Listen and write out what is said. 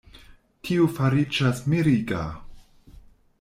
Tio fariĝas miriga.